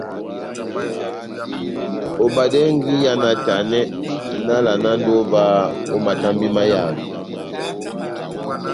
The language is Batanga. Obadɛngɛ iha náhtanɛ, nahávalanandi ová ó matambi mahavi.